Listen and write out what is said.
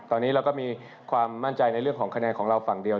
ตอนนี้เราก็มีความมั่นใจในเรื่องของคะแนนของเราฝั่งเดียว